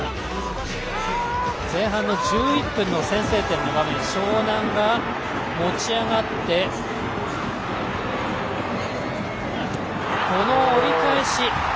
前半の１１分の先制点湘南が持ち上がって折り返し。